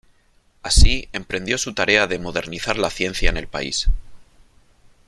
Así emprendió su tarea de modernizar la ciencia en el país.